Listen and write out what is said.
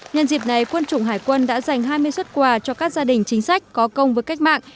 nhân dịp này quân chủng hải quân đã dành hai mươi xuất quà cho các gia đình chính sách có công với cách mạng